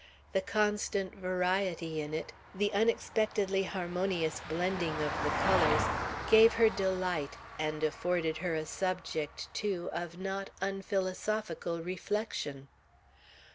The constant variety in it, the unexpectedly harmonious blending of the colors, gave her delight, and afforded her a subject, too, of not unphilosophical reflection.